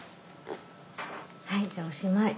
はいじゃあおしまい。